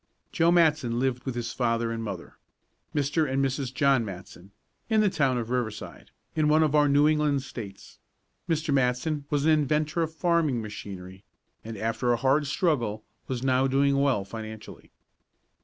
Joe Matson lived with his father and mother, Mr. and Mrs. John Matson, in the town of Riverside, in one of our New England states. Mr. Matson was an inventor of farming machinery, and after a hard struggle was now doing well financially.